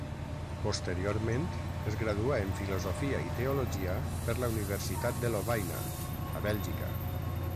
Posteriorment es graduà en filosofia i teologia per la Universitat de Lovaina, a Bèlgica.